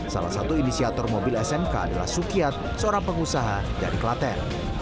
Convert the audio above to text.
salah satu inisiator mobil smk adalah sukiat seorang pengusaha dari klaten